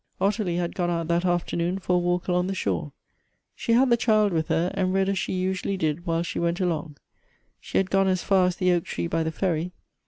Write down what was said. Ottilie had gone out that afternoon for a walk along the shore. She had the child with her, and read as she usually did while she went along. She had gone as far as the oak tree by the ferry.